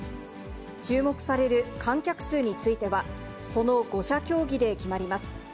注目される観客数については、その５者協議で決まります。